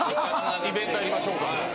「イベントやりましょうか」